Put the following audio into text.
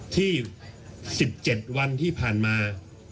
ที่๑๗วันที่ผ่านมา